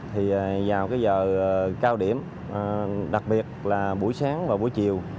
thì vào cái giờ cao điểm đặc biệt là buổi sáng và buổi chiều